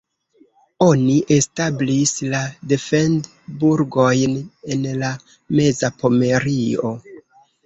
Oni establis la defend-burgojn en la meza Pomerio.